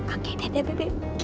oke dadah beb